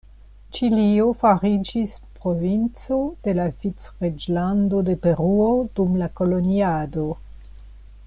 Ĉilio fariĝis provinco de la Vicreĝlando de Peruo dum la koloniado.